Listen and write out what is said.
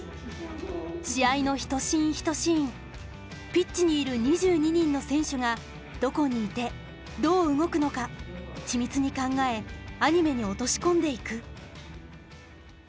試合の１シーン１シーンピッチにいる２２人の選手がどこにいてどう動くのか緻密に考えアニメに落とし込んでいく。